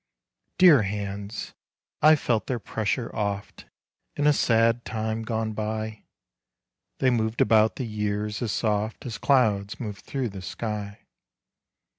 Dear hands, I've felt their pressure oft, In a sad time gone by; They moved about the years as soft As clouds move through the sky.